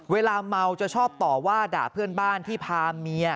เวลาเมาจะชอบต่อว่าด่าเพื่อนบ้านที่พาเมีย